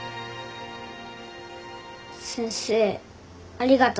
先生ありがとう。